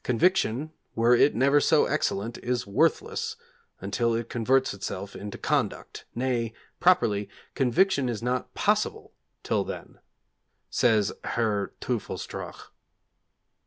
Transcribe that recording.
'Conviction, were it never so excellent, is worthless until it converts itself into Conduct. Nay, properly, Conviction is not possible till then,' says Herr Teufelsdrockh.